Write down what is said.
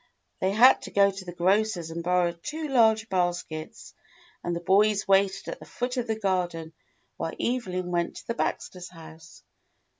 They had to go to the grocer's and borrow two large baskets, and the boys waited at the foot of the garden while Evelyn went to the Baxters' house.